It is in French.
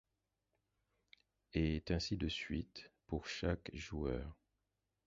Et ainsi de suite pour chaque joueur.